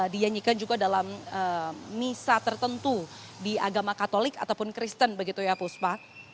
dinyanyikan juga dalam misa tertentu di agama katolik ataupun kristen begitu ya puspa